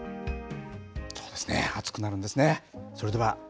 そうですね暑くなるんですね。